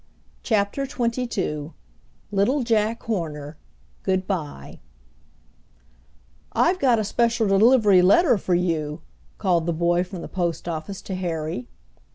CHAPTER XXII LITTLE JACK HORNER, GOOD BYE "I've got a special delivery letter for you," called the boy from the postoffice to Harry.